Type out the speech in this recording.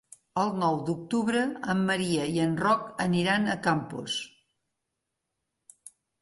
El nou d'octubre en Maria i en Roc aniran a Campos.